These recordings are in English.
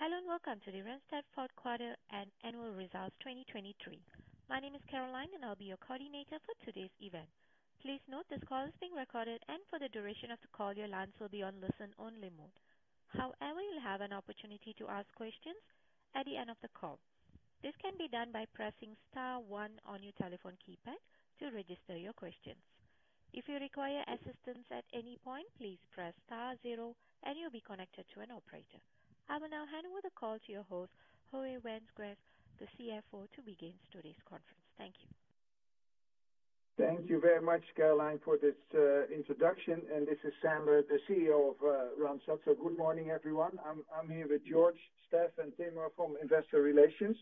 Hello and welcome to the Randstad Fourth Quarter and Annual Results 2023. My name is Caroline and I'll be your coordinator for today's event. Please note this call is being recorded and for the duration of the call your lines will be on listen-only mode. However, you'll have an opportunity to ask questions at the end of the call. This can be done by pressing star 1 on your telephone keypad to register your questions. If you require assistance at any point, please press star 0 and you'll be connected to an operator. I will now hand over the call to your host, Jorge Vazquez, the CFO, to begin today's conference. Thank you. Thank you very much, Caroline, for this introduction. This is Sander, the CEO of Randstad. Good morning, everyone. I'm here with Jorge, Stef, and Timur from Investor Relations,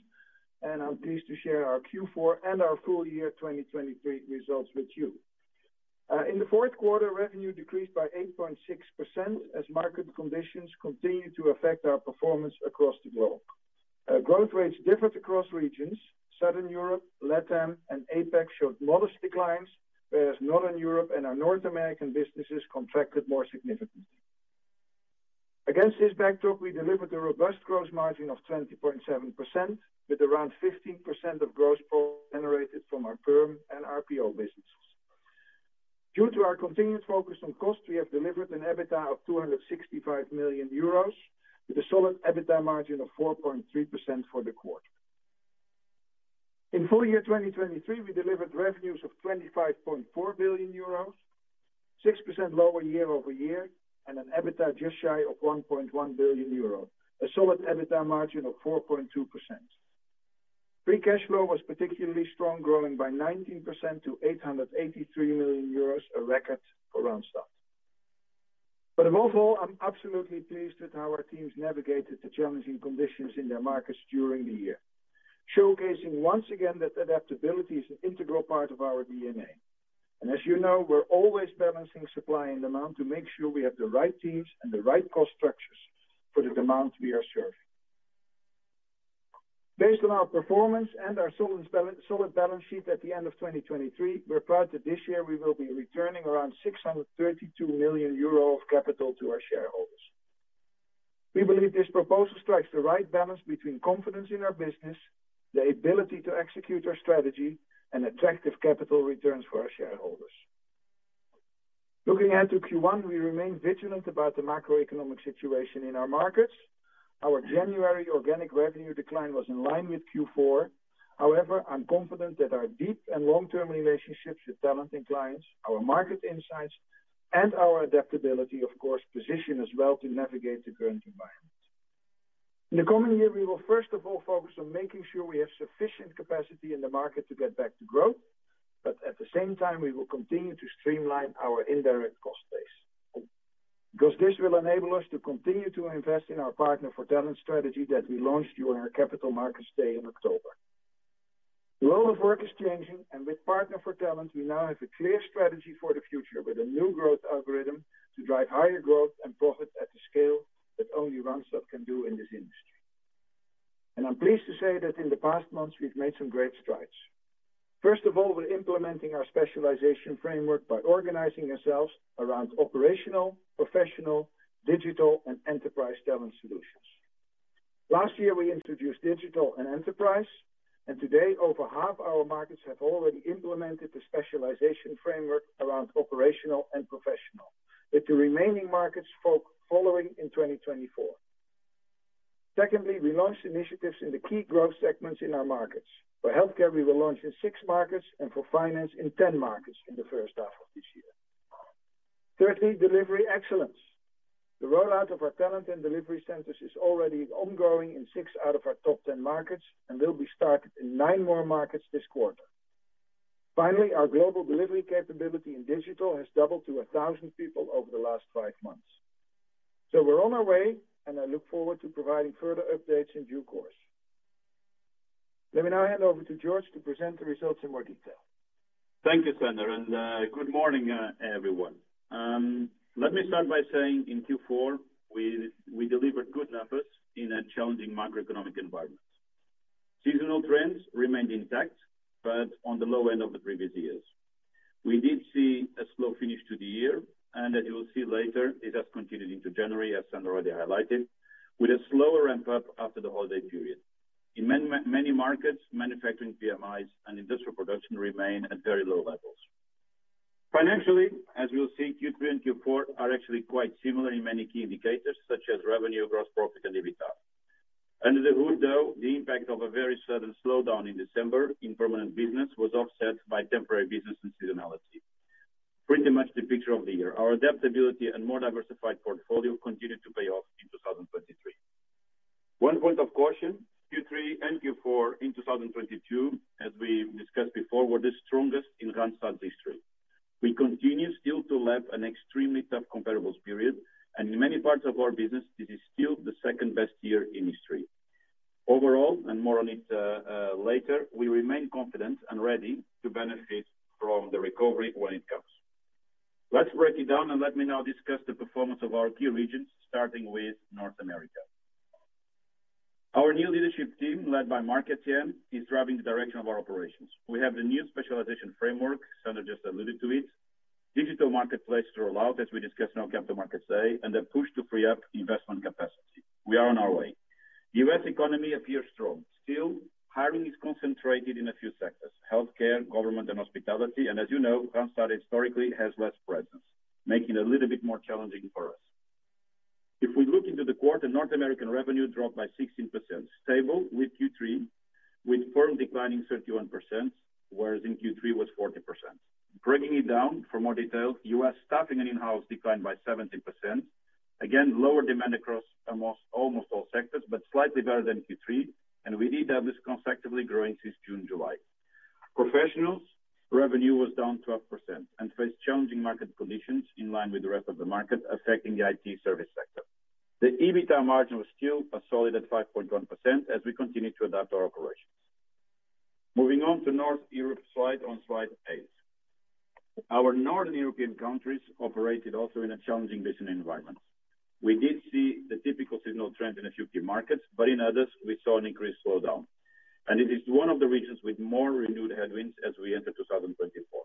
and I'm pleased to share our Q4 and our full year 2023 results with you. In the fourth quarter, revenue decreased by 8.6% as market conditions continue to affect our performance across the globe. Growth rates differed across regions. Southern Europe, LATAM, and APAC showed modest declines, whereas Northern Europe and our North American businesses contracted more significantly. Against this backdrop, we delivered a robust gross margin of 20.7% with around 15% of gross profit generated from our perm and RPO businesses. Due to our continued focus on cost, we have delivered an EBITDA of 265 million euros with a solid EBITDA margin of 4.3% for the quarter. In full year 2023, we delivered revenues of 25.4 billion euro, 6% lower year-over-year, and an EBITDA just shy of 1.1 billion euro, a solid EBITDA margin of 4.2%. Free cash flow was particularly strong, growing by 19% to 883 million euros, a record for Randstad. But above all, I'm absolutely pleased with how our teams navigated the challenging conditions in their markets during the year, showcasing once again that adaptability is an integral part of our DNA. And as you know, we're always balancing supply and demand to make sure we have the right teams and the right cost structures for the demand we are serving. Based on our performance and our solid balance sheet at the end of 2023, we're proud that this year we will be returning around 632 million euro of capital to our shareholders. We believe this proposal strikes the right balance between confidence in our business, the ability to execute our strategy, and attractive capital returns for our shareholders. Looking ahead to Q1, we remain vigilant about the macroeconomic situation in our markets. Our January organic revenue decline was in line with Q4. However, I'm confident that our deep and long-term relationships with talent and clients, our market insights, and our adaptability, of course, position us well to navigate the current environment. In the coming year, we will first of all focus on making sure we have sufficient capacity in the market to get back to growth, but at the same time, we will continue to streamline our indirect cost base because this will enable us to continue to invest in our Partner for Talent strategy that we launched during our Capital Markets Day in October. The role of work is changing, and with Partner for Talent, we now have a clear strategy for the future with a new growth algorithm to drive higher growth and profit at the scale that only Randstad can do in this industry. I'm pleased to say that in the past months, we've made some great strides. First of all, we're implementing our specialization framework by organizing ourselves around Operational, Professional, Digital, and Enterprise talent solutions. Last year, we introduced Digital and Enterprise, and today, over half our markets have already implemented the specialization framework around Operational and Professional with the remaining markets following in 2024. Secondly, we launched initiatives in the key growth segments in our markets. For healthcare, we will launch in six markets, and for finance, in 10 markets in the first half of this year. Thirdly, delivery excellence. The rollout of our talent and delivery centers is already ongoing in six out of our top 10 markets and will be started in nine more markets this quarter. Finally, our global delivery capability in digital has doubled to 1,000 people over the last five months. We're on our way, and I look forward to providing further updates in due course. Let me now hand over to Jorge to present the results in more detail. Thank you, Sander, and good morning, everyone. Let me start by saying in Q4, we delivered good numbers in a challenging macroeconomic environment. Seasonal trends remained intact, but on the low end of the previous years. We did see a slow finish to the year, and as you will see later, this has continued into January, as Sander already highlighted, with a slower ramp-up after the holiday period. In many markets, manufacturing PMIs and industrial production remain at very low levels. Financially, as we'll see, Q3 and Q4 are actually quite similar in many key indicators such as revenue, gross profit, and EBITDA. Under the hood, though, the impact of a very sudden slowdown in December in permanent business was offset by temporary business and seasonality. Pretty much the picture of the year. Our adaptability and more diversified portfolio continued to pay off in 2023. One point of caution: Q3 and Q4 in 2022, as we discussed before, were the strongest in Randstad's history. We continue still to lap an extremely tough comparables period, and in many parts of our business, this is still the second-best year in history. Overall, and more on it later, we remain confident and ready to benefit from the recovery when it comes. Let's break it down and let me now discuss the performance of our key regions, starting with North America. Our new leadership team, led by Marc-Etienne, is driving the direction of our operations. We have the new specialization framework Sander just alluded to it, digital marketplace rollout as we discussed in our Capital Markets Day, and a push to free up investment capacity. We are on our way. The U.S. economy appears strong. Still, hiring is concentrated in a few sectors: healthcare, government, and hospitality. And as you know, Randstad historically has less presence, making it a little bit more challenging for us. If we look into the quarter, North American revenue dropped by 16%, stable with Q3, with perm declining 31%, whereas in Q3 it was 40%. Breaking it down for more detail, U.S. Staffing and Inhouse declined by 17%, again, lower demand across almost all sectors, but slightly better than Q3, and we did have this consecutively growing since June, July. Professionals revenue was down 12% and faced challenging market conditions in line with the rest of the market, affecting the IT service sector. The EBITDA margin was still solid at 5.1% as we continue to adapt our operations. Moving on to Northern Europe slide on slide 8. Our Northern European countries operated also in a challenging business environment. We did see the typical seasonal trend in a few key markets, but in others, we saw an increased slowdown. This is one of the regions with more renewed headwinds as we enter 2024.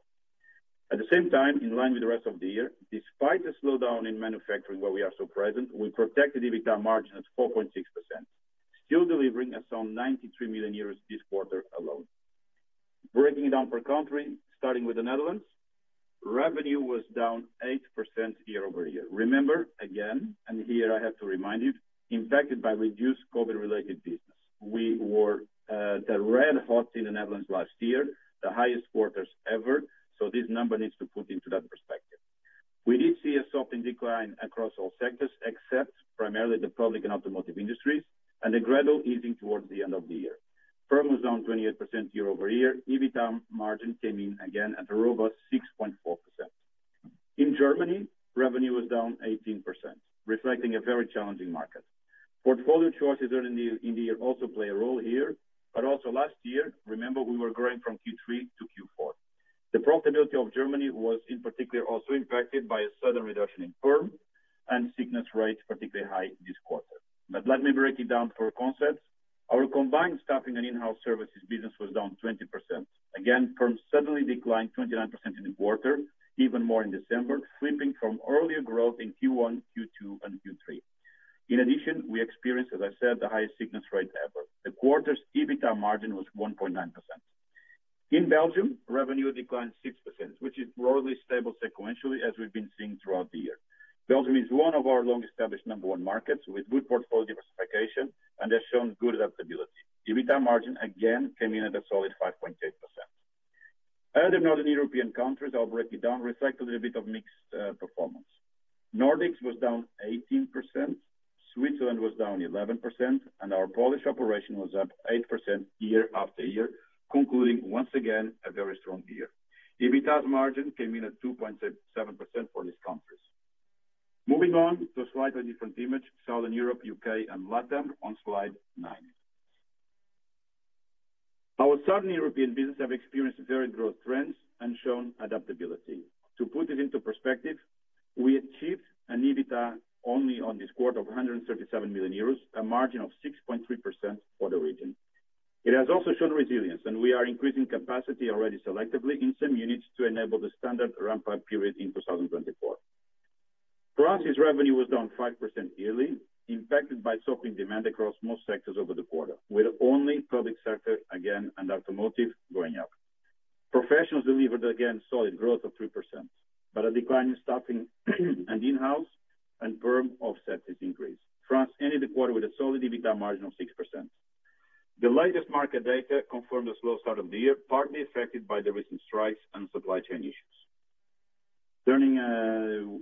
At the same time, in line with the rest of the year, despite the slowdown in manufacturing where we are still present, we protected EBITDA margin at 4.6%, still delivering some 93 million euros this quarter alone. Breaking it down per country, starting with the Netherlands, revenue was down 8% year-over-year. Remember again, and here I have to remind you, impacted by reduced COVID-related business. We were red-hot in the Netherlands last year, the highest quarters ever, so this number needs to be put into that perspective. We did see a softening decline across all sectors except primarily the public and automotive industries, and the gradual easing towards the end of the year. perm was down 28% year-over-year. EBITDA margin came in again at a robust 6.4%. In Germany, revenue was down 18%, reflecting a very challenging market. Portfolio choices earned in the year also play a role here, but also last year, remember, we were growing from Q3 to Q4. The profitability of Germany was in particular also impacted by a sudden reduction in perm and sickness rates, particularly high this quarter. But let me break it down per concept. Our combined Staffing and Inhouse services business was down 20%. Again, perm suddenly declined 29% in the quarter, even more in December, flipping from earlier growth in Q1, Q2, and Q3. In addition, we experienced, as I said, the highest sickness rate ever. The quarter's EBITDA margin was 1.9%. In Belgium, revenue declined 6%, which is broadly stable sequentially as we've been seeing throughout the year. Belgium is one of our long-established number one markets with good portfolio diversification and has shown good adaptability. EBITDA margin again came in at a solid 5.8%. Other Northern European countries, I'll break it down, reflect a little bit of mixed performance. Nordics was down 18%. Switzerland was down 11%, and our Polish operation was up 8% year after year, concluding once again a very strong year. EBITDA margin came in at 2.7% for these countries. Moving on to a slightly different image, Southern Europe, UK, and LATAM on slide 9. Our Southern European businesses have experienced very growth trends and shown adaptability. To put this into perspective, we achieved an EBITDA only on this quarter of 137 million euros, a margin of 6.3% for the region. It has also shown resilience, and we are increasing capacity already selectively in some units to enable the standard ramp-up period in 2024. France's revenue was down 5% yearly, impacted by softening demand across most sectors over the quarter, with only public sector again and automotive going up. Professionals delivered again solid growth of 3%, but a decline in Staffing and Inhouse and perm offset this increase. France ended the quarter with a solid EBITDA margin of 6%. The latest market data confirmed a slow start of the year, partly affected by the recent strikes and supply chain issues. Turning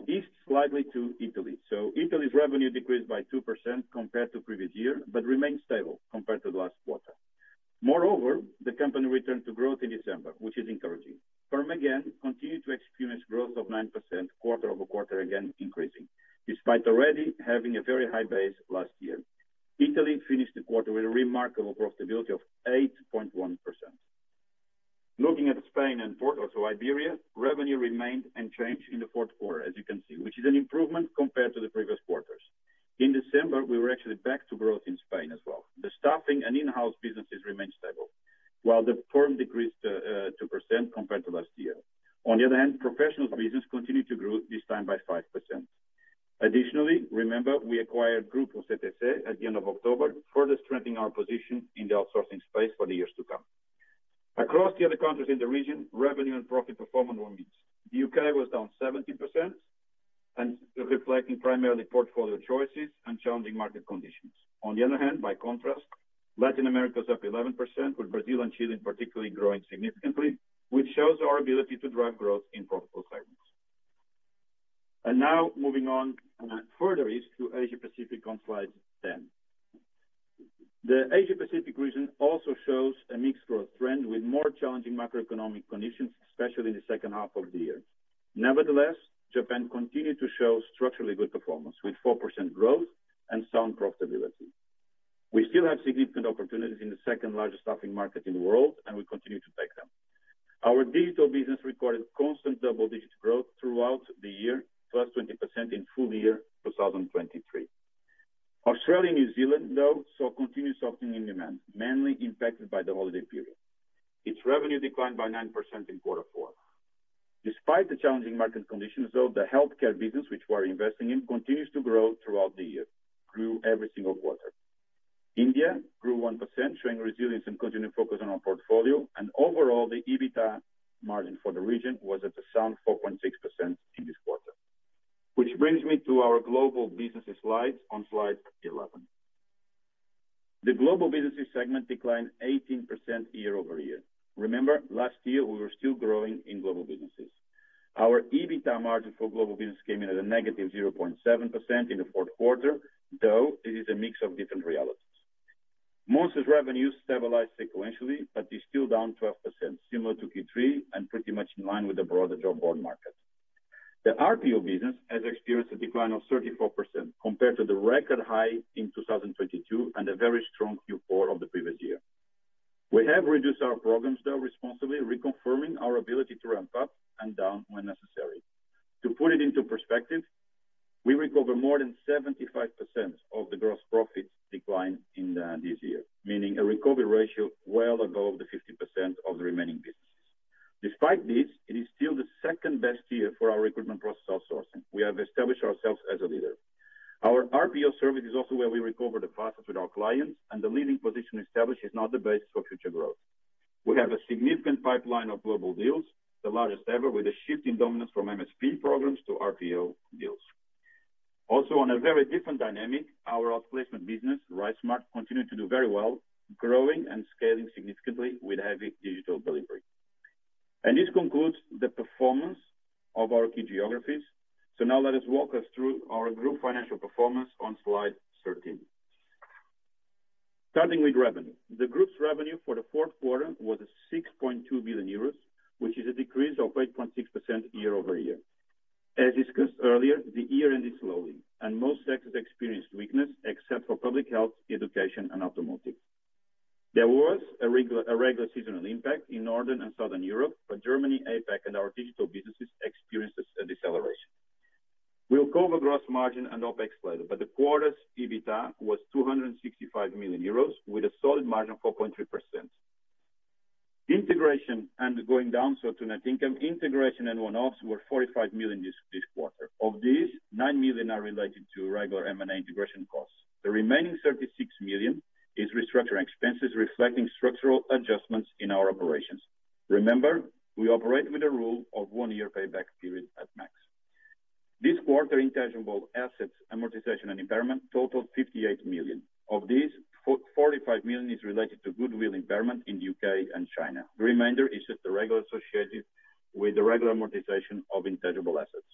east slightly to Italy. So Italy's revenue decreased by 2% compared to previous year but remained stable compared to the last quarter. Moreover, the company returned to growth in December, which is encouraging. perm again continued to experience growth of 9%, quarter-over-quarter again increasing, despite already having a very high base last year. Italy finished the quarter with a remarkable profitability of 8.1%. Looking at Spain and also Iberia, revenue remained unchanged in the fourth quarter, as you can see, which is an improvement compared to the previous quarters. In December, we were actually back to growth in Spain as well. The Staffing and Inhouse businesses remained stable, while the perm decreased 2% compared to last year. On the other hand, Professionals' business continued to grow this time by 5%. Additionally, remember, we acquired Grupo CTC at the end of October further strengthening our position in the outsourcing space for the years to come. Across the other countries in the region, revenue and profit performance were mixed. The UK was down 17%, reflecting primarily portfolio choices and challenging market conditions. On the other hand, by contrast, Latin America was up 11%, with Brazil and Chile particularly growing significantly, which shows our ability to drive growth in profitable segments. Now moving on further east to Asia-Pacific on slide 10. The Asia-Pacific region also shows a mixed growth trend with more challenging macroeconomic conditions, especially in the second half of the year. Nevertheless, Japan continued to show structurally good performance with 4% growth and sound profitability. We still have significant opportunities in the second-largest staffing market in the world, and we continue to take them. Our digital business recorded constant double-digit growth throughout the year, plus 20% in full year 2023. Australia and New Zealand, though, saw continued softening in demand, mainly impacted by the holiday period. Its revenue declined by 9% in quarter four. Despite the challenging market conditions, though, the healthcare business, which we are investing in, continues to grow throughout the year, grew every single quarter. India grew 1%, showing resilience and continued focus on our portfolio, and overall, the EBITDA margin for the region was at a sound 4.6% in this quarter. Which brings me to our Global Businesses slides on slide 11. The Global Businesses segment declined 18% year-over-year. Remember, last year, we were still growing in Global Businesses. Our EBITDA margin for Global Businesses came in at a negative 0.7% in the fourth quarter, though it is a mix of different realities. Monster revenue stabilized sequentially, but is still down 12%, similar to Q3 and pretty much in line with the broader job board market. The RPO business has experienced a decline of 34% compared to the record high in 2022 and the very strong Q4 of the previous year. We have reduced our programs, though, responsibly, reconfirming our ability to ramp up and down when necessary. To put it into perspective, we recover more than 75% of the gross profits declined in this year, meaning a recovery ratio well above the 50% of the remaining businesses. Despite this, it is still the second-best year for our recruitment process outsourcing. We have established ourselves as a leader. Our RPO service is also where we recover the fastest with our clients, and the leading position established is not the basis for future growth. We have a significant pipeline of global deals, the largest ever, with a shift in dominance from MSP programs to RPO deals. Also, on a very different dynamic, our outplacement business, RiseSmart, continued to do very well, growing and scaling significantly with heavy digital delivery. This concludes the performance of our key geographies. Now let us walk us through our group financial performance on slide 13. Starting with revenue, the group's revenue for the fourth quarter was 6.2 billion euros, which is a decrease of 8.6% year-over-year. As discussed earlier, the year ended slowly, and most sectors experienced weakness except for public health, education, and automotive. There was a regular seasonal impact in Northern and Southern Europe, but Germany, APAC, and our digital businesses experienced a deceleration. We'll cover gross margin and OPEX later, but the quarter's EBITDA was 265 million euros with a solid margin of 4.3%. Integration and going down, so to net income, integration and one-offs were 45 million this quarter. Of these, 9 million are related to regular M&A integration costs. The remaining 36 million is restructuring expenses, reflecting structural adjustments in our operations. Remember, we operate with a rule of one-year payback period at max. This quarter, intangible assets, amortization, and impairment totaled 58 million. Of these, 45 million is related to goodwill impairment in the UK and China. The remainder is just the regular associated with the regular amortization of intangible assets.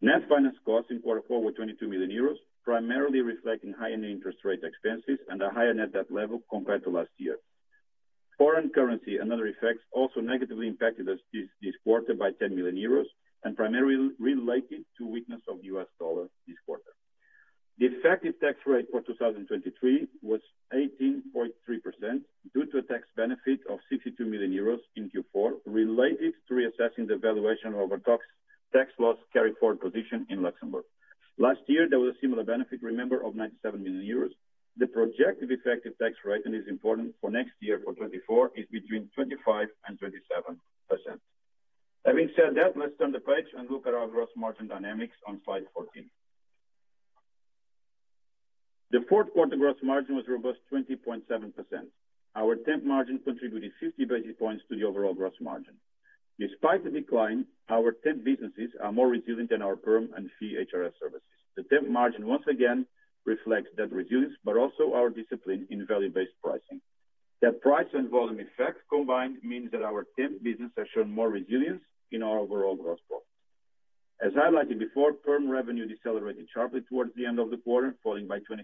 Net finance costs in quarter four were 22 million euros, primarily reflecting high-end interest rate expenses and a higher net debt level compared to last year. Foreign currency and other effects also negatively impacted this quarter by 10 million euros and primarily related to weakness of the US dollar this quarter. The effective tax rate for 2023 was 18.3% due to a tax benefit of EUR 62 million in Q4 related to reassessing the valuation of our tax loss carry-forward position in Luxembourg. Last year, there was a similar benefit, remember, of 97 million euros. The projected effective tax rate, and this is important for next year for 2024, is between 25% and 27%. Having said that, let's turn the page and look at our gross margin dynamics on slide 14. The fourth quarter gross margin was robust 20.7%. Our temp margin contributed 50 basis points to the overall gross margin. Despite the decline, our temp businesses are more resilient than our perm and fee HRS services. The temp margin once again reflects the resilience but also our discipline in value-based pricing. The price and volume effect combined means that our temp businesses have shown more resilience in our overall gross profits. As highlighted before, perm revenue decelerated sharply towards the end of the quarter, falling by 26%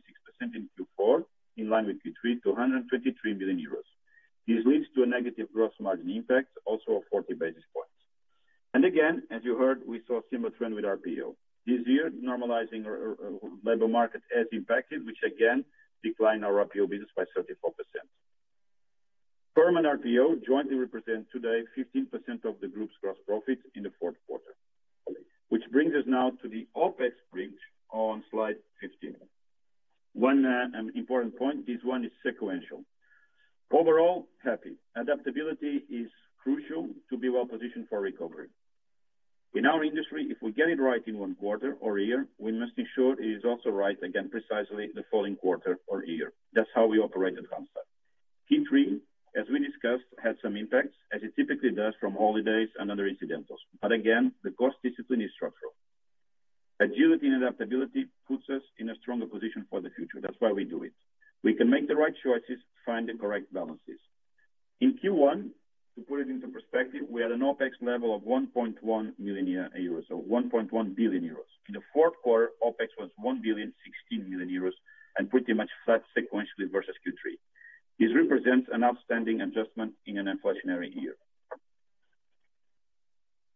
in Q4, in line with Q3, to 123 million euros. This leads to a negative gross margin impact, also of 40 basis points. Again, as you heard, we saw a similar trend with RPO. This year, normalizing labor market has impacted, which again declined our RPO business by 34%. perm and RPO jointly represent today 15% of the group's gross profits in the fourth quarter, which brings us now to the OPEX bridge on slide 15. One important point, this one is sequential. Overall, happy. Adaptability is crucial to be well-positioned for recovery. In our industry, if we get it right in one quarter or year, we must ensure it is also right again precisely the following quarter or year. That's how we operate at Randstad. Q3, as we discussed, had some impacts, as it typically does from holidays and other incidentals. But again, the cost discipline is structural. Agility and adaptability puts us in a stronger position for the future. That's why we do it. We can make the right choices, find the correct balances. In Q1, to put it into perspective, we had an OPEX level of 1.1 million euros, so 1.1 billion euros. In the fourth quarter, OPEX was 1.16 million euros and pretty much flat sequentially versus Q3. This represents an outstanding adjustment in an inflationary year.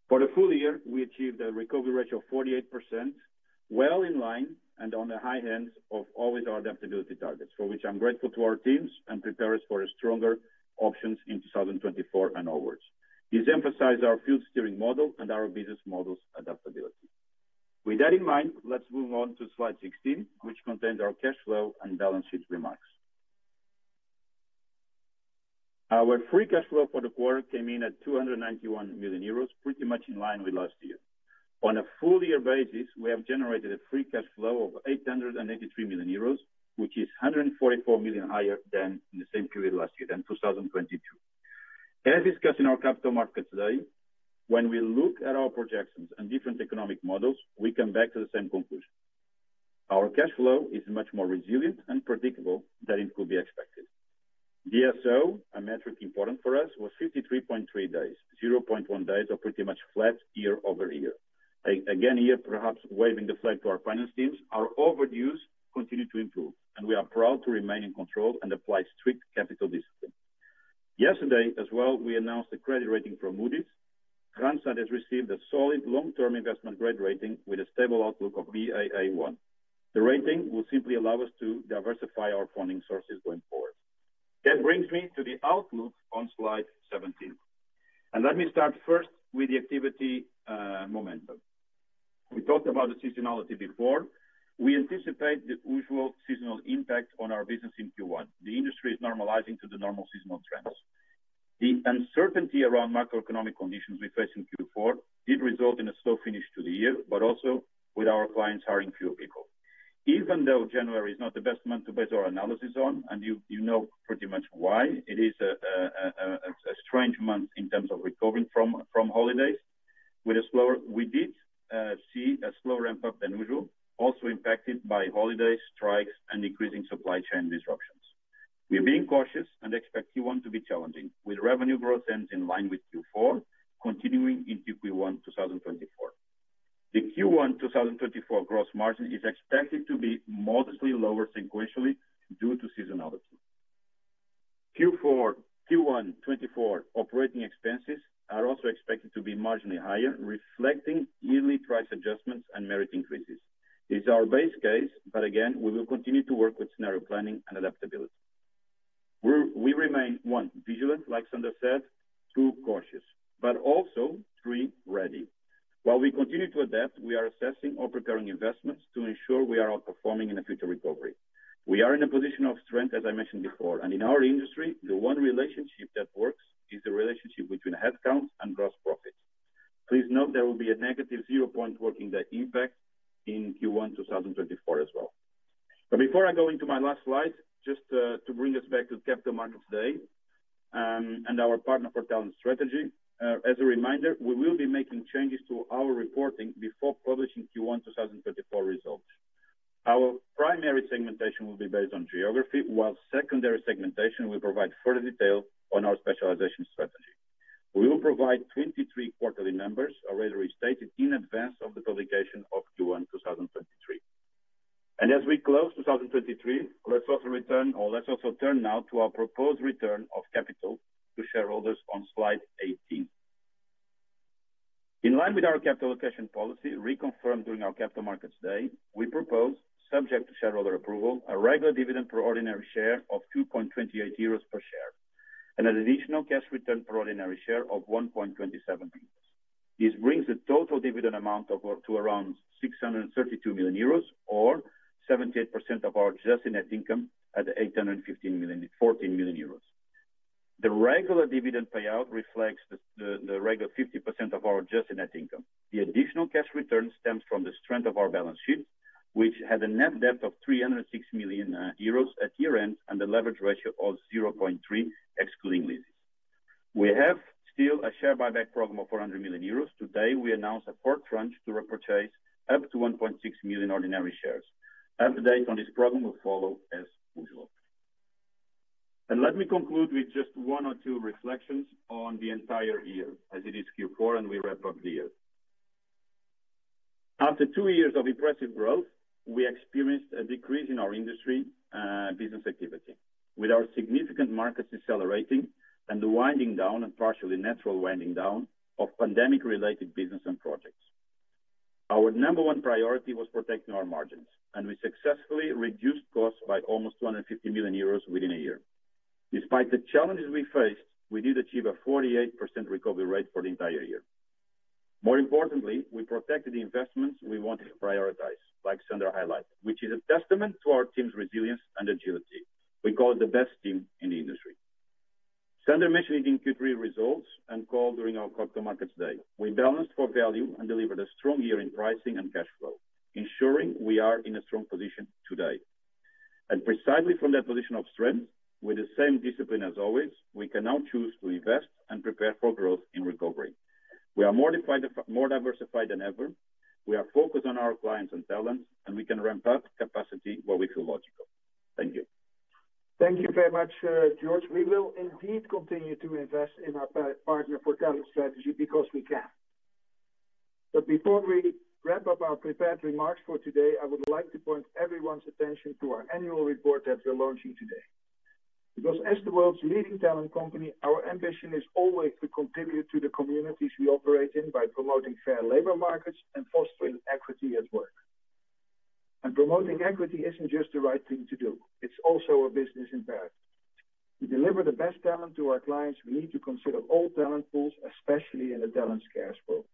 For the full year, we achieved a recovery ratio of 48%, well in line and on the high end of always our adaptability targets, for which I'm grateful to our teams and prepare us for stronger options in 2024 and onwards. This emphasized our field steering model and our business model's adaptability. With that in mind, let's move on to slide 16, which contains our cash flow and balance sheet remarks. Our free cash flow for the quarter came in at 291 million euros, pretty much in line with last year. On a full-year basis, we have generated a free cash flow of 883 million euros, which is 144 million higher than in the same period last year, than 2022. As discussed in our Capital Markets Day, when we look at our projections and different economic models, we come back to the same conclusion. Our cash flow is much more resilient and predictable than it could be expected. DSO, a metric important for us, was 53.3 days, 0.1 days or pretty much flat year-over-year. Again, here perhaps waving the flag to our finance teams, our overdues continue to improve, and we are proud to remain in control and apply strict capital discipline. Yesterday as well, we announced the credit rating from Moody's. Randstad has received a solid long-term investment grade rating with a stable outlook of Baa1. The rating will simply allow us to diversify our funding sources going forward. That brings me to the outlook on slide 17. Let me start first with the activity momentum. We talked about the seasonality before. We anticipate the usual seasonal impact on our business in Q1. The industry is normalizing to the normal seasonal trends. The uncertainty around macroeconomic conditions we face in Q4 did result in a slow finish to the year, but also with our clients hiring fewer people. Even though January is not the best month to base our analysis on, and you know pretty much why, it is a strange month in terms of recovering from holidays, we did see a slower ramp-up than usual, also impacted by holidays, strikes, and increasing supply chain disruptions. We are being cautious and expect Q1 to be challenging, with revenue growth trends in line with Q4, continuing into Q1 2024. The Q1 2024 gross margin is expected to be modestly lower sequentially due to seasonality. Q1 2024 operating expenses are also expected to be marginally higher, reflecting yearly price adjustments and merit increases. This is our base case, but again, we will continue to work with scenario planning and adaptability. We remain, one, vigilant, like Sander said, two, cautious, but also, three, ready. While we continue to adapt, we are assessing and preparing investments to ensure we are outperforming in a future recovery. We are in a position of strength, as I mentioned before, and in our industry, the one relationship that works is the relationship between headcount and gross profits. Please note, there will be a negative 0.1 working capital impact in Q1 2024 as well. But before I go into my last slides, just to bring us back to the Capital Markets Day and our Partner for Talent strategy, as a reminder, we will be making changes to our reporting before publishing Q1 2024 results. Our primary segmentation will be based on geography, while secondary segmentation, we provide further detail on our specialization strategy. We will provide key quarterly metrics, already restated in advance of the publication of Q1 2023. As we close 2023, let's also return or let's also turn now to our proposed return of capital to shareholders on slide 18. In line with our capital allocation policy, reconfirmed during our Capital Markets Day, we propose, subject to shareholder approval, a regular dividend per ordinary share of 2.28 euros per share and an additional cash return per ordinary share of 1.27 euros. This brings the total dividend amount to around 632 million euros or 78% of our adjusted net income at 814 million. The regular dividend payout reflects the regular 50% of our adjusted net income. The additional cash return stems from the strength of our balance sheet, which had a net debt of 306 million euros at year-end and a leverage ratio of 0.3 excluding leases. We have still a share buyback program of 400 million euros. Today, we announced a fourth tranche to repurchase up to 1.6 million ordinary shares. Updates on this program will follow as usual. And let me conclude with just one or two reflections on the entire year as it is Q4, and we wrap up the year. After two years of impressive growth, we experienced a decrease in our industry business activity with our significant markets accelerating and the winding down and partially natural winding down of pandemic-related business and projects. Our number one priority was protecting our margins, and we successfully reduced costs by almost 250 million euros within a year. Despite the challenges we faced, we did achieve a 48% recovery rate for the entire year. More importantly, we protected the investments we wanted to prioritize, like Sander highlighted, which is a testament to our team's resilience and agility. We call it the best team in the industry. Sander mentioned it in Q3 results and called during our Capital Markets Day. We balanced for value and delivered a strong year in pricing and cash flow, ensuring we are in a strong position today. Precisely from that position of strength, with the same discipline as always, we can now choose to invest and prepare for growth in recovery. We are more diversified than ever. We are focused on our clients and talents, and we can ramp up capacity where we feel logical. Thank you. Thank you very much, Jorge. We will indeed continue to invest in our Partner for Talent strategy because we can. But before we wrap up our prepared remarks for today, I would like to point everyone's attention to our annual report that we're launching today. Because as the world's leading talent company, our ambition is always to contribute to the communities we operate in by promoting fair labor markets and fostering equity at work. Promoting equity isn't just the right thing to do. It's also a business imperative. To deliver the best talent to our clients, we need to consider all talent pools, especially in the talent-scarce world.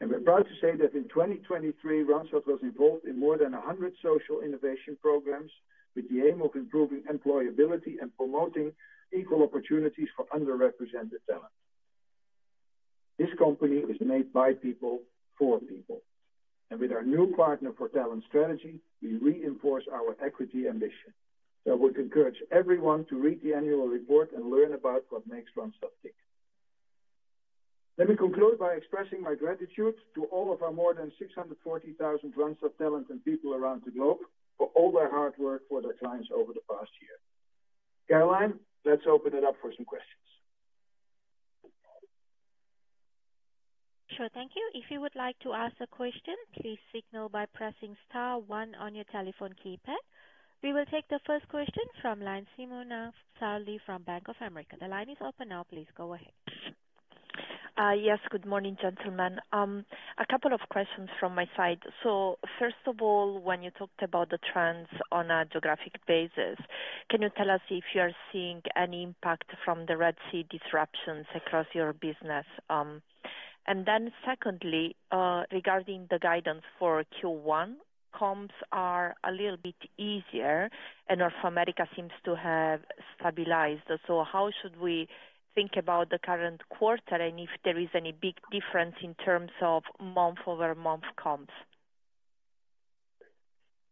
We're proud to say that in 2023, Randstad was involved in more than 100 social innovation programs with the aim of improving employability and promoting equal opportunities for underrepresented talent. This company is made by people for people. With our new Partner for Talent strategy, we reinforce our equity ambition. I would encourage everyone to read the annual report and learn about what makes Randstad tick. Let me conclude by expressing my gratitude to all of our more than 640,000 Randstad talent and people around the globe for all their hard work for their clients over the past year. Caroline, let's open it up for some questions. Sure. Thank you. If you would like to ask a question, please signal by pressing star one on your telephone keypad. We will take the first question from Simona Sarli from Bank of America. The line is open now. Please go ahead. Yes. Good morning, gentlemen. A couple of questions from my side. So first of all, when you talked about the trends on a geographic basis, can you tell us if you are seeing any impact from the Red Sea disruptions across your business? And then secondly, regarding the guidance for Q1, comps are a little bit easier, and North America seems to have stabilized. So how should we think about the current quarter and if there is any big difference in terms of month-over-month comps?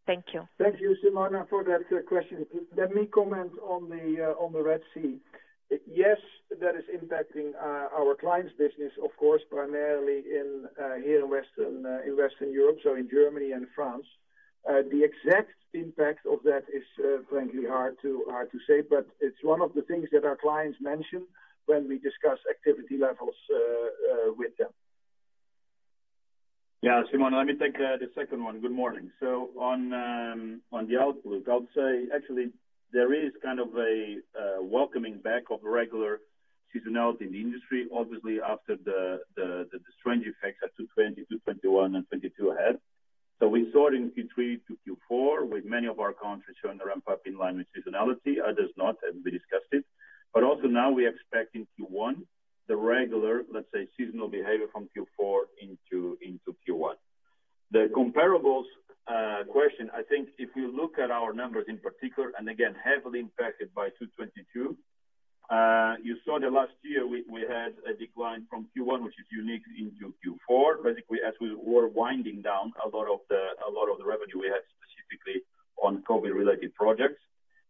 Thank you. Thank you, Simona, for that question. Let me comment on the Red Sea. Yes, that is impacting our clients' business, of course, primarily here in Western Europe, so in Germany and France. The exact impact of that is frankly hard to say, but it's one of the things that our clients mention when we discuss activity levels with them. Yeah, Simona, let me take the second one. Good morning. So on the outlook, I would say actually, there is kind of a welcoming back of regular seasonality in the industry, obviously, after the strange effects at 2020, 2021, and 2022 ahead. So we saw it in Q3 to Q4 with many of our countries showing a ramp-up in line with seasonality. Others not, and we discussed it. But also now we expect in Q1 the regular, let's say, seasonal behavior from Q4 into Q1. The comparables question, I think if you look at our numbers in particular, and again, heavily impacted by 2022, you saw that last year we had a decline from Q1, which is unique, into Q4, basically as we were winding down a lot of the revenue we had specifically on COVID-related projects.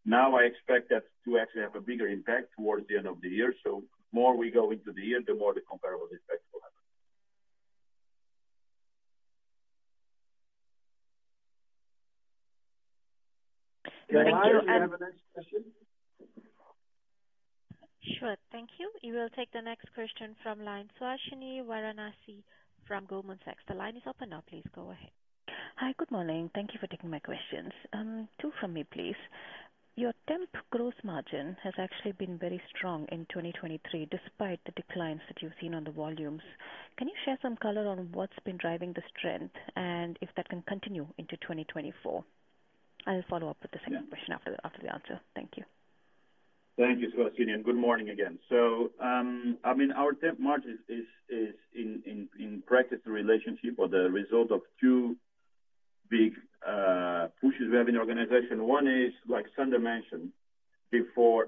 Now I expect that to actually have a bigger impact towards the end of the year. So more we go into the year, the more the comparables effects will happen. Thank you. And. Simona, do you have a next question? Sure. Thank you. You will take the next question from Suhasini Varanasi from Goldman Sachs. The line is open now. Please go ahead. Hi. Good morning. Thank you for taking my questions. Two from me, please. Your temp gross margin has actually been very strong in 2023 despite the declines that you've seen on the volumes. Can you share some color on what's been driving the strength and if that can continue into 2024? I'll follow up with the second question after the answer. Thank you. Thank you, Suhasini. Good morning again. So I mean, our temp margin is in practice the relationship or the result of two big pushes we have in the organization. One is, like Sander mentioned,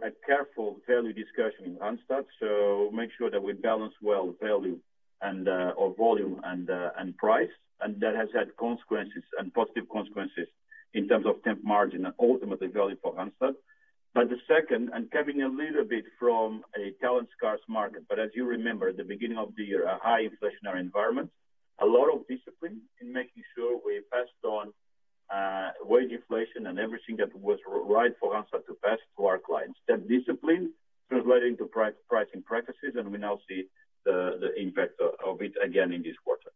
a careful value discussion in Randstad. So make sure that we balance well value or volume and price. And that has had consequences and positive consequences in terms of temp margin and ultimately value for Randstad. But the second, and coming a little bit from a talent scarce market, but as you remember, at the beginning of the year, a high inflationary environment, a lot of discipline in making sure we passed on wage inflation and everything that was right for Randstad to pass to our clients. That discipline translated into pricing practices, and we now see the impact of it again in this quarter.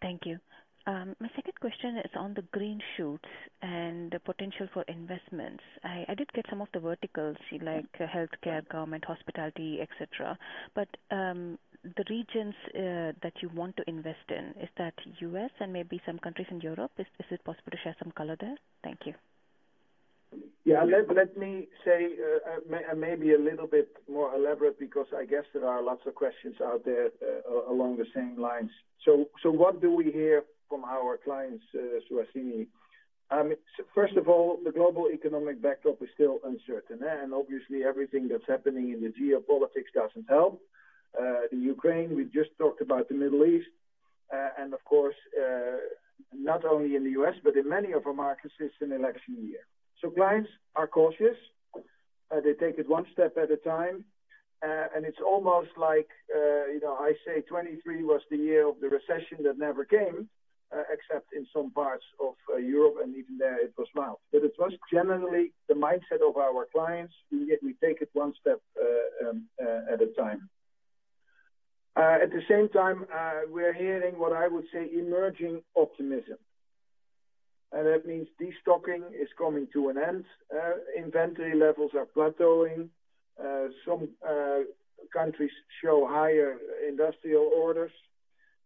Thank you. My second question is on the green shoots and the potential for investments. I did get some of the verticals, like healthcare, government, hospitality, etc. But the regions that you want to invest in, is that U.S. and maybe some countries in Europe? Is it possible to share some color there? Thank you. Yeah. Let me say I may be a little bit more elaborate because I guess there are lots of questions out there along the same lines. So what do we hear from our clients, Suhasini? First of all, the global economic backdrop is still uncertain. And obviously, everything that's happening in the geopolitics doesn't help. The Ukraine, we just talked about the Middle East. And of course, not only in the U.S., but in many of our markets, it's an election year. So clients are cautious. They take it one step at a time. And it's almost like I say 2023 was the year of the recession that never came, except in some parts of Europe, and even there, it was mild. But it was generally the mindset of our clients. We take it one step at a time. At the same time, we're hearing what I would say emerging optimism. And that means destocking is coming to an end. Inventory levels are plateauing. Some countries show higher industrial orders.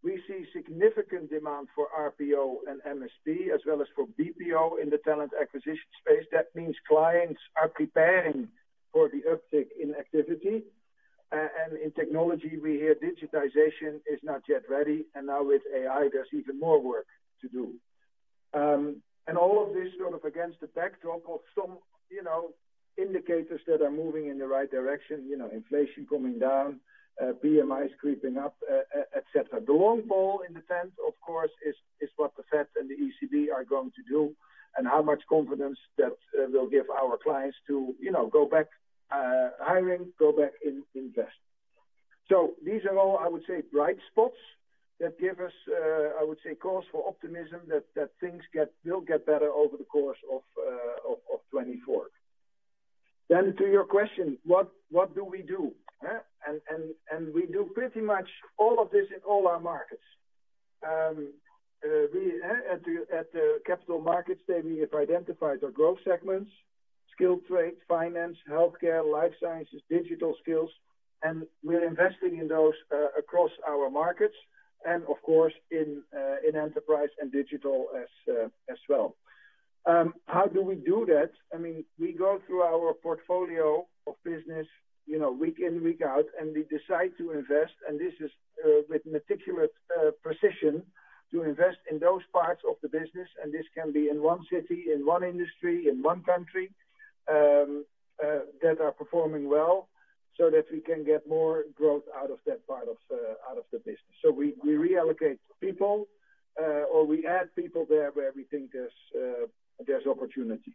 We see significant demand for RPO and MSP, as well as for BPO in the talent acquisition space. That means clients are preparing for the uptick in activity. And in technology, we hear digitization is not yet ready. And now with AI, there's even more work to do. And all of this sort of against the backdrop of some indicators that are moving in the right direction, inflation coming down, PMIs creeping up, etc. The long ball in the tent, of course, is what the Fed and the ECB are going to do and how much confidence that will give our clients to go back hiring, go back invest. So these are all, I would say, bright spots that give us, I would say, cause for optimism that things will get better over the course of 2024. Then to your question, what do we do? And we do pretty much all of this in all our markets. At the Capital Markets Day, we have identified our growth segments: skilled trade, finance, healthcare, life sciences, digital skills. And we're investing in those across our markets and, of course, in enterprise and digital as well. How do we do that? I mean, we go through our portfolio of business week in, week out, and we decide to invest. And this is with meticulous precision to invest in those parts of the business. This can be in one city, in one industry, in one country that are performing well so that we can get more growth out of that part of the business. So we reallocate people or we add people there where we think there's opportunity.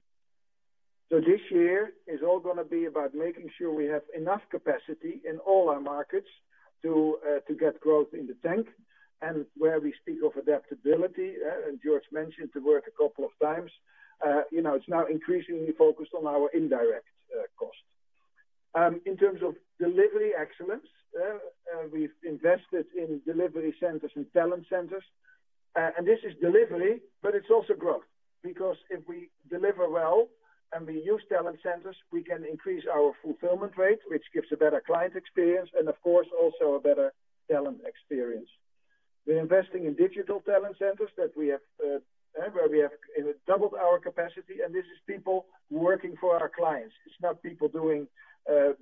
So this year is all going to be about making sure we have enough capacity in all our markets to get growth in the tank. And where we speak of adaptability, and Jorge mentioned the word a couple of times, it's now increasingly focused on our indirect cost. In terms of delivery excellence, we've invested in delivery centers and talent centers. And this is delivery, but it's also growth because if we deliver well and we use talent centers, we can increase our fulfillment rate, which gives a better client experience and, of course, also a better talent experience. We're investing in digital talent centers where we have doubled our capacity. This is people working for our clients. It's not people doing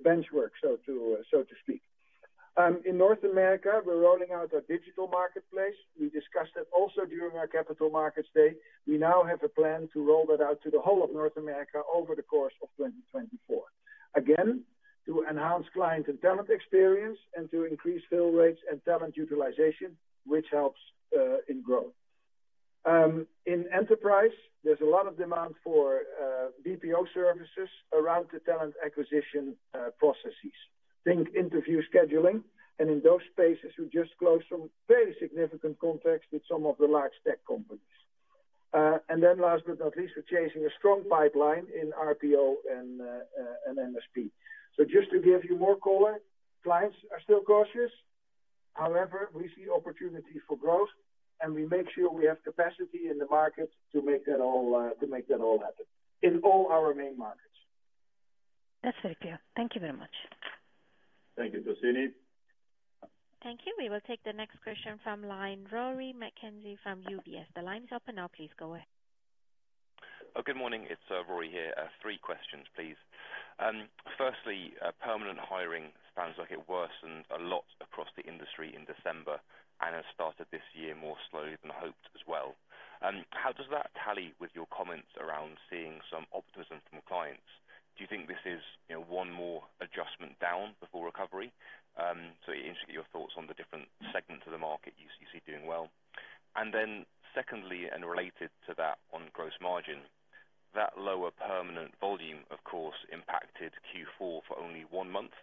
benchwork, so to speak. In North America, we're rolling out our digital marketplace. We discussed that also during our Capital Markets Day. We now have a plan to roll that out to the whole of North America over the course of 2024, again, to enhance client and talent experience and to increase fill rates and talent utilization, which helps in growth. In Enterprise, there's a lot of demand for BPO services around the talent acquisition processes. Think interview scheduling. And in those spaces, we just closed some very significant contracts with some of the large tech companies. And then last but not least, we're chasing a strong pipeline in RPO and MSP. Just to give you more color, clients are still cautious. However, we see opportunity for growth, and we make sure we have capacity in the market to make that all happen in all our main markets. That's very clear. Thank you very much. Thank you, Suhasini. Thank you. We will take the next question from Rory McKenzie from UBS. The line is open now. Please go ahead. Good morning. It's Rory here. Three questions, please. Firstly, permanent hiring sounds like it worsened a lot across the industry in December and has started this year more slowly than hoped as well. How does that tally with your comments around seeing some optimism from clients? Do you think this is one more adjustment down before recovery? So interested in your thoughts on the different segments of the market you see doing well. And then secondly, and related to that on gross margin, that lower permanent volume, of course, impacted Q4 for only one month.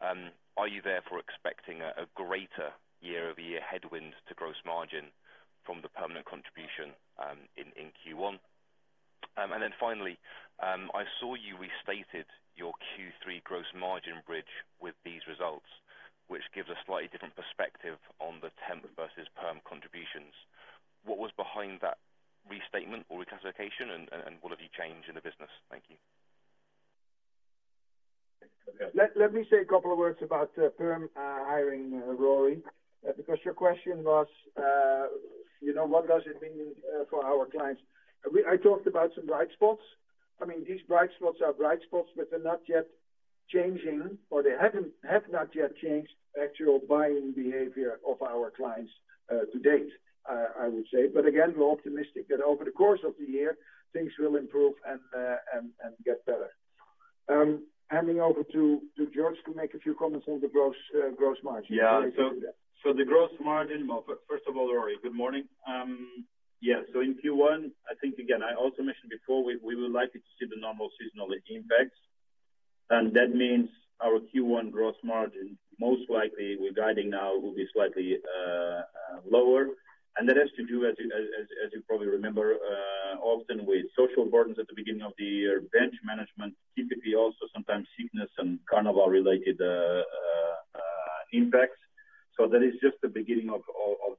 Are you therefore expecting a greater year-over-year headwind to gross margin from the permanent contribution in Q1? And then finally, I saw you restated your Q3 gross margin bridge with these results, which gives a slightly different perspective on the temp versus perm contributions. What was behind that restatement or reclassification, and what have you changed in the business? Thank you. Let me say a couple of words about perm hiring, Rory, because your question was, what does it mean for our clients? I talked about some bright spots. I mean, these bright spots are bright spots, but they're not yet changing, or they have not yet changed actual buying behavior of our clients to date, I would say. But again, we're optimistic that over the course of the year, things will improve and get better. Handing over to Jorge to make a few comments on the gross margin. Yeah. So the gross margin, well, first of all, Rory, good morning. Yeah. So in Q1, I think, again, I also mentioned before, we would like it to see the normal seasonal impacts. And that means our Q1 gross margin, most likely, we're guiding now, will be slightly lower. And that has to do, as you probably remember, often with social burdens at the beginning of the year, bench management, typically also sometimes sickness and carnival-related impacts. So that is just the beginning of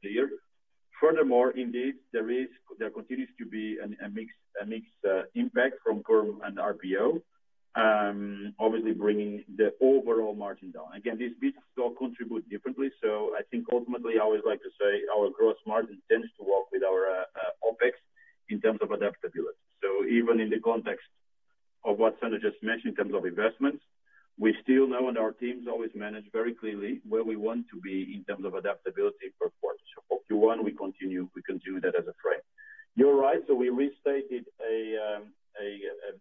the year. Furthermore, indeed, there continues to be a mixed impact from perm and RPO, obviously bringing the overall margin down. Again, these bits all contribute differently. So I think ultimately, I always like to say our gross margin tends to walk with our OPEX in terms of adaptability. So even in the context of what Sander just mentioned in terms of investments, we still know and our teams always manage very clearly where we want to be in terms of adaptability per quarter. So for Q1, we continue that as a frame. You're right. So we restated a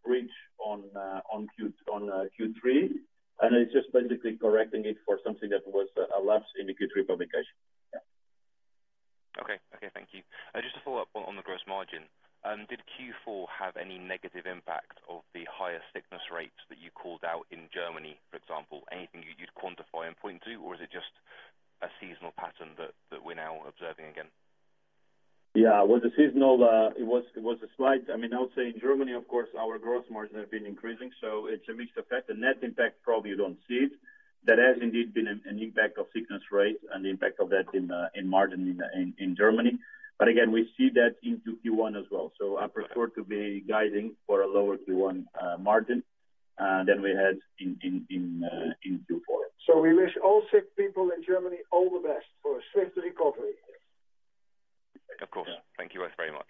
bridge on Q3, and it's just basically correcting it for something that was elapsed in the Q3 publication. Okay. Okay. Thank you. Just to follow up on the gross margin, did Q4 have any negative impact of the higher sickness rates that you called out in Germany, for example? Anything you'd quantify and point to, or is it just a seasonal pattern that we're now observing again? Yeah. Well, the seasonal, it was a slight. I mean, I would say in Germany, of course, our gross margin has been increasing. So it's a mixed effect. The net impact, probably you don't see it. That has indeed been an impact of sickness rate and the impact of that in margin in Germany. But again, we see that into Q1 as well. So I prefer to be guiding for a lower Q1 margin than we had in Q4. We wish all sick people in Germany all the best for a swift recovery. Of course. Thank you both very much.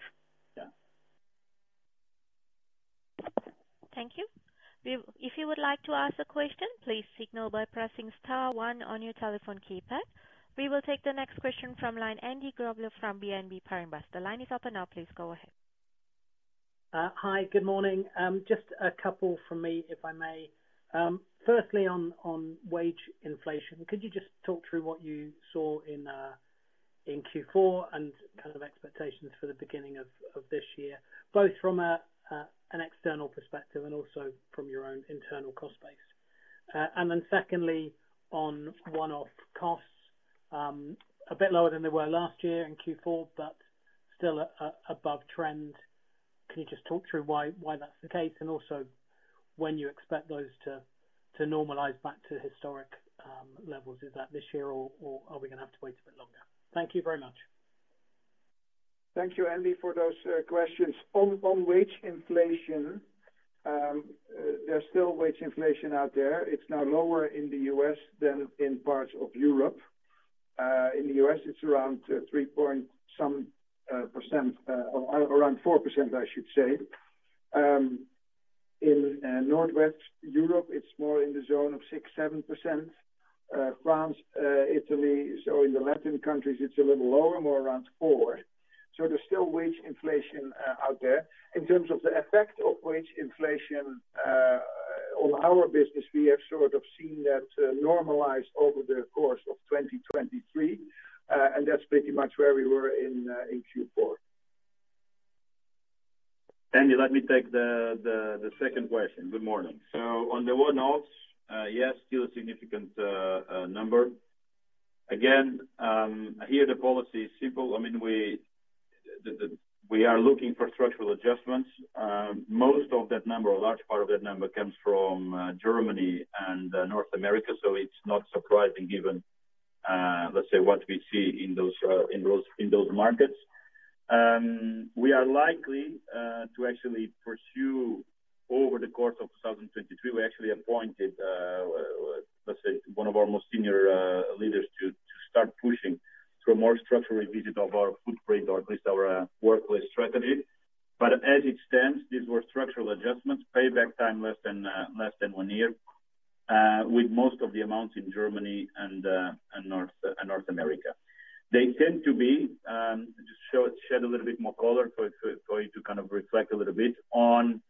Thank you. If you would like to ask a question, please signal by pressing star 1 on your telephone keypad. We will take the next question from Andy Grobler from BNP Paribas. Line is open now. Please go ahead. Hi. Good morning. Just a couple from me, if I may. Firstly, on wage inflation, could you just talk through what you saw in Q4 and kind of expectations for the beginning of this year, both from an external perspective and also from your own internal cost base? And then secondly, on one-off costs, a bit lower than they were last year in Q4, but still above trend. Can you just talk through why that's the case and also when you expect those to normalize back to historic levels? Is that this year, or are we going to have to wait a bit longer? Thank you very much. Thank you, Andy, for those questions. On wage inflation, there's still wage inflation out there. It's now lower in the U.S. than in parts of Europe. In the U.S., it's around 3.something%, around 4%, I should say. In northwest Europe, it's more in the zone of 6%-7%. France, Italy, so in the Latin countries, it's a little lower, more around 4%. So there's still wage inflation out there. In terms of the effect of wage inflation on our business, we have sort of seen that normalize over the course of 2023. That's pretty much where we were in Q4. Andy, let me take the second question. Good morning. So on the one-offs, yes, still a significant number. Again, here, the policy is simple. I mean, we are looking for structural adjustments. Most of that number, a large part of that number, comes from Germany and North America. So it's not surprising, given, let's say, what we see in those markets. We are likely to actually pursue over the course of 2023. We actually appointed, let's say, one of our most senior leaders to start pushing through a more structural revisit of our footprint or at least our workplace strategy. But as it stands, these were structural adjustments, payback time less than one year, with most of the amounts in Germany and North America. They tend to be to shed a little bit more color, for you to kind of reflect a little bit, on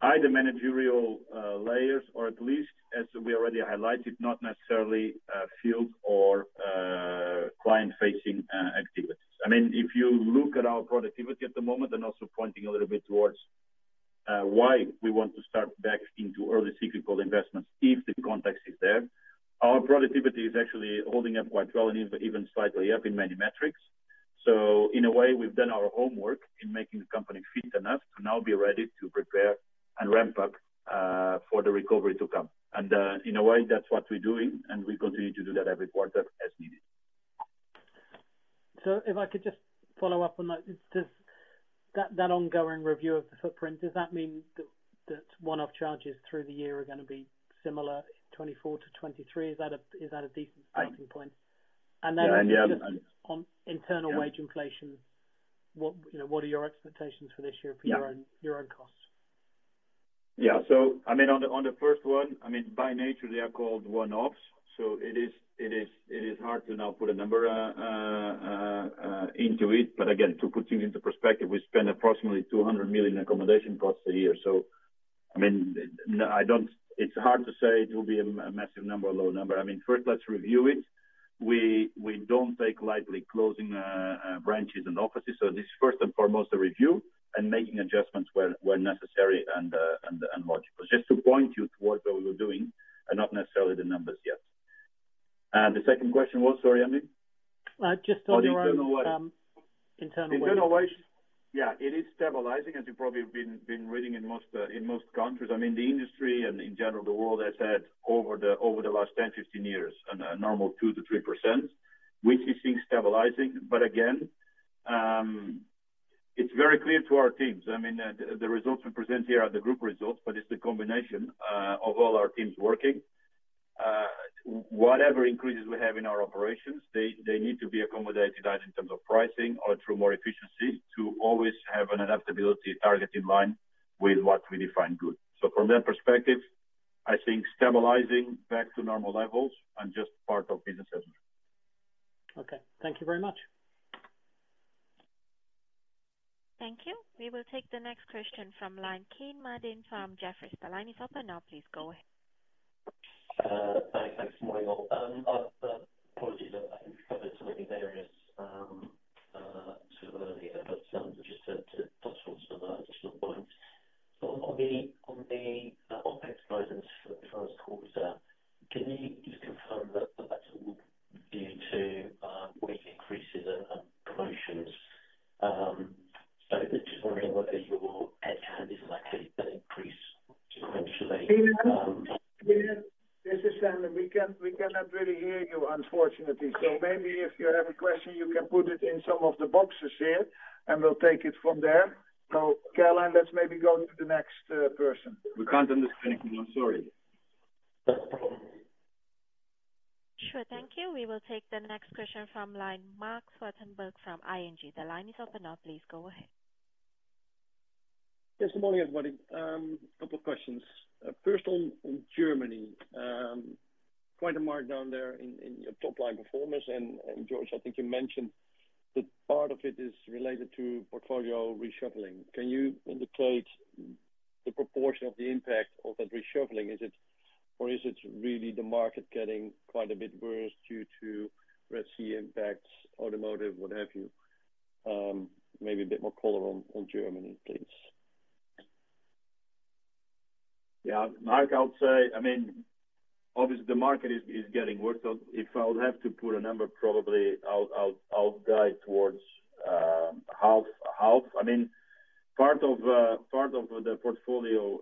either managerial layers or at least, as we already highlighted, not necessarily field or client-facing activities. I mean, if you look at our productivity at the moment and also pointing a little bit towards why we want to start back into early cyclical investments, if the context is there, our productivity is actually holding up quite well and even slightly up in many metrics. So in a way, we've done our homework in making the company fit enough to now be ready to prepare and ramp up for the recovery to come. And in a way, that's what we're doing, and we continue to do that every quarter as needed. So if I could just follow up on that, that ongoing review of the footprint, does that mean that one-off charges through the year are going to be similar in 2024 to 2023? Is that a decent starting point? And then just on internal wage inflation, what are your expectations for this year for your own costs? Yeah. So I mean, on the first one, I mean, by nature, they are called one-offs. So it is hard to now put a number into it. But again, to put things into perspective, we spend approximately 200 million accommodation costs a year. So I mean, it's hard to say it will be a massive number or low number. I mean, first, let's review it. We don't take lightly closing branches and offices. So this is first and foremost a review and making adjustments where necessary and logical, just to point you towards what we were doing and not necessarily the numbers yet. The second question was, sorry, Andy? Just on the. Oh, do you know what? Internal wage. Do you know what? Yeah. It is stabilizing, as you probably have been reading in most countries. I mean, the industry and in general, the world has had over the last 10, 15 years a normal 2%-3%, which we think is stabilizing. But again, it's very clear to our teams. I mean, the results we present here are the group results, but it's the combination of all our teams working. Whatever increases we have in our operations, they need to be accommodated either in terms of pricing or through more efficiency to always have an adaptability target in line with what we define good. So from that perspective, I think stabilizing back to normal levels and just part of business as usual. Okay. Thank you very much. due to wage increases and promotions? So just wondering whether your headcount is likely to increase sequentially. We cannot really hear you, unfortunately. So maybe if you have a question, you can put it in some of the boxes here, and we'll take it from there. So Caroline, let's maybe go to the next person. We can't understand anything. I'm sorry. No problem. Sure. Thank you. We will take the next question from Marc Zwartsenburg from ING. The line is open now. Please go ahead. Yes. Good morning, everybody. A couple of questions. First, on Germany, quite a markdown there in your top-line performance. Jorge, I think you mentioned that part of it is related to portfolio reshuffling. Can you indicate the proportion of the impact of that reshuffling, or is it really the market getting quite a bit worse due to Red Sea impacts, automotive, what have you? Maybe a bit more color on Germany, please. Yeah. Marc, I would say I mean, obviously, the market is getting worse. So if I would have to put a number, probably I'll guide towards half. I mean, part of the portfolio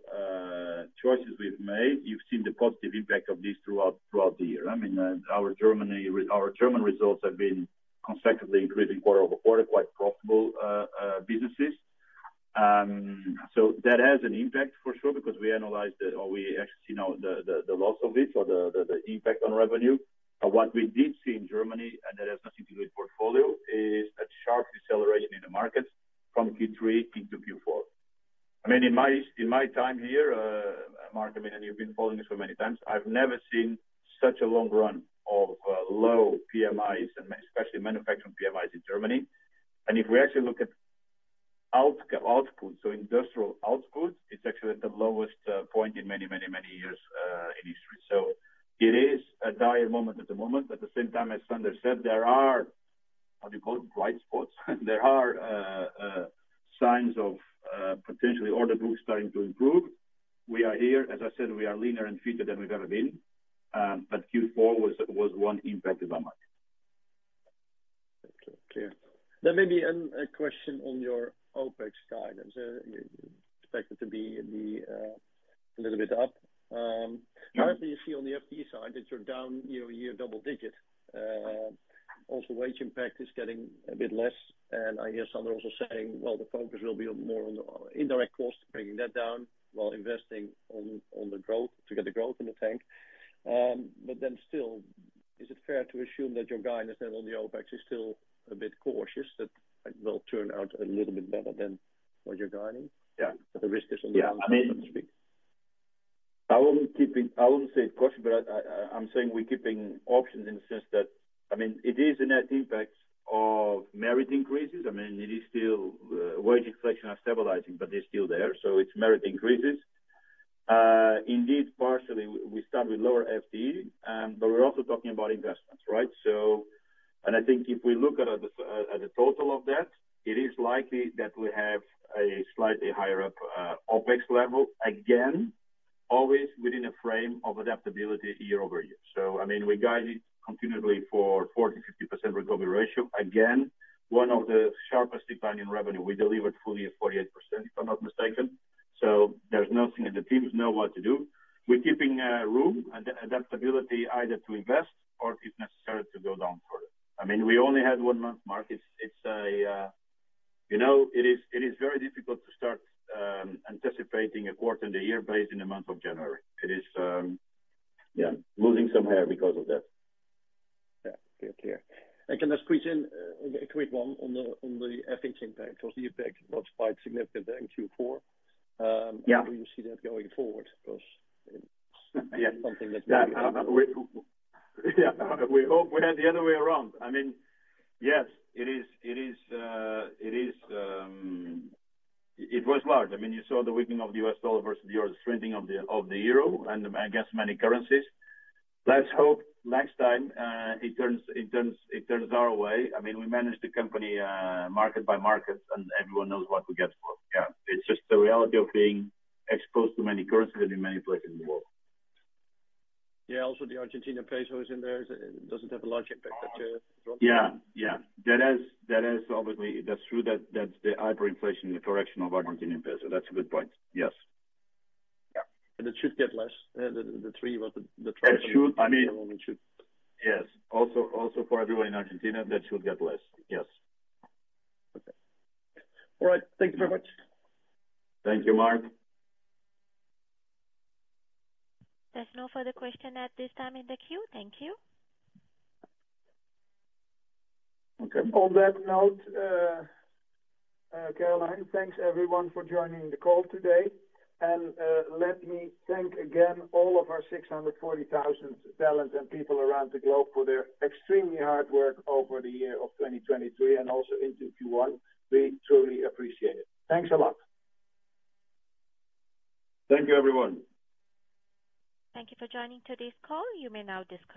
choices we've made, you've seen the positive impact of this throughout the year. I mean, our German results have been consecutively increasing quarter-over-quarter, quite profitable businesses. So that has an impact, for sure, because we analyzed or we actually see now the loss of it or the impact on revenue. But what we did see in Germany, and that has nothing to do with portfolio, is a sharp deceleration in the markets from Q3 into Q4. I mean, in my time here, Marc, I mean, and you've been following us for many times, I've never seen such a long run of low PMIs, especially manufacturing PMIs in Germany. And if we actually look at output, so industrial output, it's actually at the lowest point in many, many, many years in history. So it is a dire moment at the moment. At the same time, as Sander said, there are—how do you call it?—bright spots. There are signs of potentially order books starting to improve. We are here. As I said, we are leaner and fitter than we've ever been. But Q4 was one impacted by market. Okay. Clear. Then maybe a question on your OPEX guidance. You expect it to be a little bit up. Currently, you see on the FTE side that you're down year-to-year double-digit. Also, wage impact is getting a bit less. And I hear Sander also saying, "Well, the focus will be more on the indirect costs, bringing that down while investing on the growth to get the growth in the tank." But then still, is it fair to assume that your guidance then on the OPEX is still a bit cautious, that it will turn out a little bit better than what you're guiding? That the risk is on the downside, so to speak? Yeah. I mean, I won't say it's cautious, but I'm saying we're keeping options in the sense that I mean, it is a net impact of merit increases. I mean, wage inflation is stabilizing, but it's still there. So it's merit increases. Indeed, partially, we start with lower FTE, but we're also talking about investments, right? And I think if we look at the total of that, it is likely that we have a slightly higher OPEX level again, always within a frame of adaptability year-over-year. So I mean, we guide it continuously for 40%-50% recovery ratio. Again, one of the sharpest declines in revenue. We delivered fully at 48%, if I'm not mistaken. So there's nothing and the teams know what to do. We're keeping room and adaptability either to invest or, if necessary, to go down further. I mean, we only had one-month markets. It is very difficult to start anticipating a quarter in the year based on the month of January. It is, yeah, losing some hair because of that. Yeah. Clear. Clear. And can I squeeze in a quick one on the FX impact? Because the impact was quite significant there in Q4. How do you see that going forward? Because it's something that's very important. Yeah. We hope we had the other way around. I mean, yes, it was large. I mean, you saw the weakening of the U.S. dollar versus the strengthening of the euro and, I guess, many currencies. Let's hope next time it turns our way. I mean, we manage the company market by market, and everyone knows what we get for. Yeah. It's just the reality of being exposed to many currencies in many places in the world. Yeah. Also, the Argentina peso is in there. It doesn't have a large impact that you're drawing from. Yeah. Yeah. Obviously, that's true that the hyperinflation in the correction of Argentine peso. That's a good point. Yes. Yeah. And it should get less. The three was the trend. It should. I mean. Yeah. Yes. Also, for everyone in Argentina, that should get less. Yes. Okay. All right. Thank you very much. Thank you, Marc. There's no further question at this time in the queue. Thank you. Okay. On that note, Caroline, thanks, everyone, for joining the call today. Let me thank again all of our 640,000 talents and people around the globe for their extremely hard work over the year of 2023 and also into Q1. We truly appreciate it. Thanks a lot. Thank you, everyone. Thank you for joining today's call. You may now disconnect.